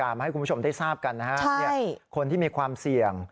มาให้คุณผู้ชมได้ทราบกันนะฮะคนที่มีความเสี่ยง